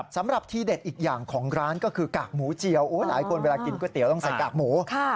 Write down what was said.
สำหรับทีเด็ดอีกอย่างของร้านก็คือกากหมูเจียวหลายคนเวลากินก๋วยเตี๋ยวต้องใส่กากหมู